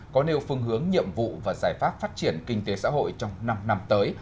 có nêu phương hướng nhiệm vụ và giải pháp phát triển kinh tế xã hội trong năm năm tới